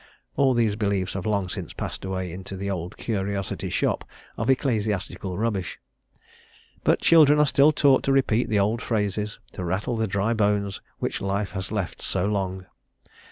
All these beliefs have long since passed away into "The Old Curiosity Shop" of Ecclesiastical Rubbish, but children are still taught to repeat the old phrases, to rattle the dry bones which life has left so long.